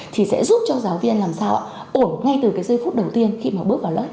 thì sẽ giúp cho giáo viên làm sao ổn ngay từ cái giây phút đầu tiên khi mà bước vào lớp